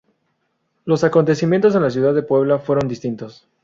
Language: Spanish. Los acontecimientos en la ciudad de Puebla fueron distintos.